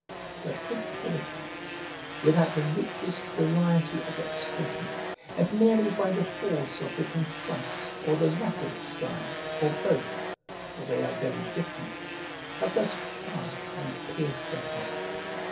But could Pericles, without the richest variety of expression, and merely by the force of the concise or the rapid style, or both (for they are very different), have thus charmed and pierced the heart.